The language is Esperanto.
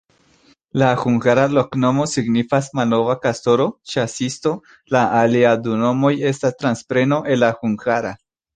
La hungara loknomo signifas: malnova-kastoro-ĉasisto, la aliaj du nomoj estas transpreno el la hungara.